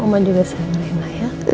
oma juga sayang rena ya